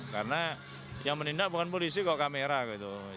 karena yang menindak bukan polisi kok kamera gitu